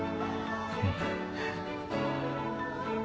うん。